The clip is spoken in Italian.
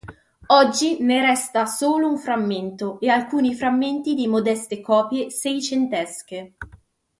Oggi ne resta solo un frammento e alcuni frammenti di modeste copie seicentesche.